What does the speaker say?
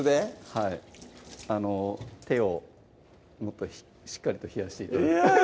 はい手をもっとしっかりと冷やして頂いていや